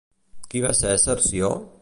Qui va ser Cerció?